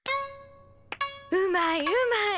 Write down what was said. うまいうまい。